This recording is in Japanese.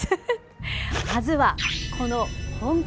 まずはこの本館。